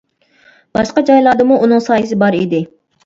باشقا جايلاردىمۇ ئۇنىڭ سايىسى بار ئىدى.